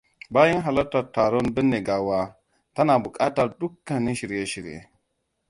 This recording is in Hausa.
Bayan halartar taron binne gawa, tana buƙatar dukkanin shirye-shirye.